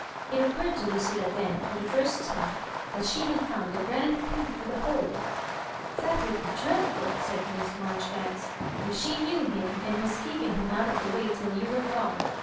It occurred to Lucilla then for the first time that she had found the grand clue to the wholes " That would be dreadful," said Miss Marjori banks, "if she knew him, and was keeping him out of the way till you were gone.